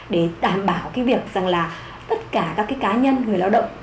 để đảm bảo cái việc rằng là tất cả các cái cá nhân người lao động